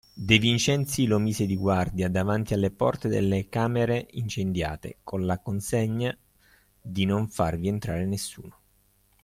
De Vincenzi lo mise di guardia davanti alle porte delle camere incendiate, con la consegna di non farvi entrare nessuno.